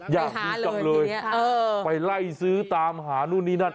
อยากดูจังเลยไปไล่ซื้อตามหานู่นนี่นั่น